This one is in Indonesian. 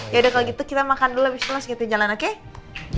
yaudah kalau gitu kita makan dulu abis itu kita jalan jalan oke